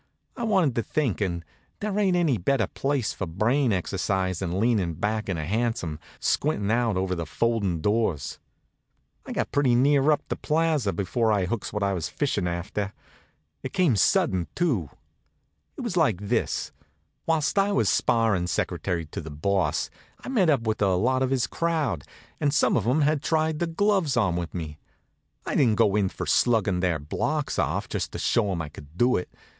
I wanted to think, and there ain't any better place for brain exercise than leanin' back in a hansom, squintin' out over the foldin' doors. I'd got pretty near up to the Plaza before I hooks what I was fishin' after. It came sudden, too. It was like this: Whilst I was sparrin' secretary to the Boss I'd met up with a lot of his crowd, and some of 'em had tried the gloves on with me. I didn't go in for sluggin' their blocks off, just to show 'em I could do it.